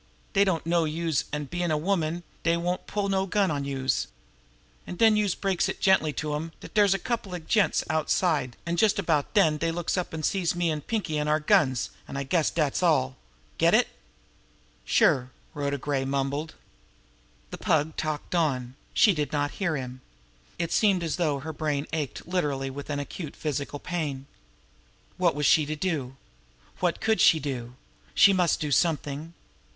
Dey don't know youse, an', bein' a woman, dey won't pull no gun on youse. An' den youse breaks it gently to dem dat dere's a coupla gents outside, an' just about den dey looks up an' sees me an' Pinkie an' our guns an' I guess dat's all. Get it?" "Sure!" mumbled Rhoda Gray. The Pug talked on. She did not hear him. It seemed as though her brain ached literally with an acute physical pain. What was she to do? What could she do? She must do something!